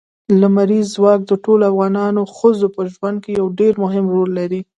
لمریز ځواک د ټولو افغان ښځو په ژوند کې یو ډېر مهم رول لري.